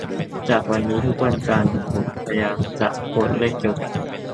จากนี้ทุกวันจันทร์ผมพยายามจะโพสเรื่องเกี่ยวกับ